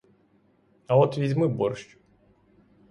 А от візьми борщ.